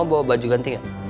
kamu bawa baju ganti gak